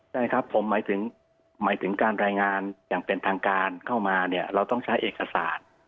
ใช่ครับผมหมายถึงหมายถึงการรายงานอย่างเป็นทางการเข้ามาเนี่ยเราต้องใช้เอกสาร